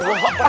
kau lempar ya